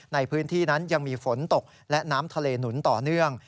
ในพื้นที่นั้นยังมีฝนตกและน้ำทะเลหนุนต่อเนื่อง